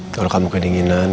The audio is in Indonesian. kalau kamu kedinginan